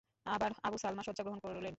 আবার Abu Salama শয্যা গ্রহণ করলেন।